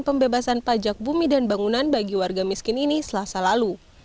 pembebasan pajak bumi dan bangunan bagi warga miskin ini selasa lalu